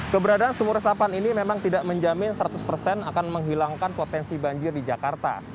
keberadaan sumur resapan ini memang tidak menjamin seratus persen akan menghilangkan potensi banjir di jakarta